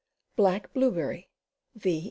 Black Blueberry. ^^.